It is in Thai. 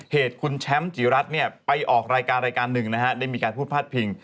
เหตุคุณแชมป์จิรัตน์ใส่ออกรายการ๑ได้มีการพูดพลาดพิ่ง